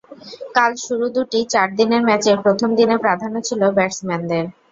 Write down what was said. কাল শুরু দুটি চার দিনের ম্যাচের প্রথম দিনে প্রাধান্য ছিল ব্যাটসম্যানদের।